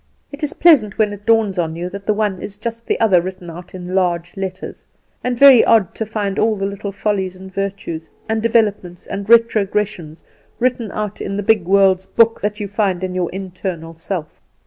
It is pleasant when it dawns on you that the one is just the other written out in large letters; and very odd to find all the little follies and virtues, and developments and retrogressions, written out in the big world's book that you find in your little internal self.